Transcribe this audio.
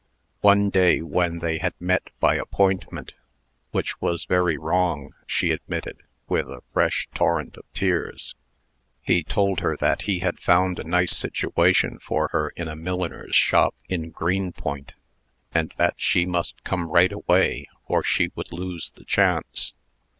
One day, when they had met by appointment (which was very wrong, she admitted, with a fresh torrent of tears), he told her that he had found a nice situation for her in a milliner's shop in Greenpoint, and that she must come right away, or she would lose the chance.